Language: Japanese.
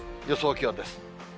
予想気温です。